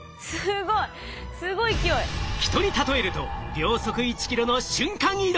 ヒトに例えると秒速１キロの瞬間移動。